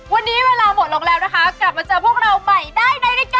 วันนี้เวลาหมดลงแล้วนะคะกลับมาเจอพวกเราใหม่ได้ในรายการ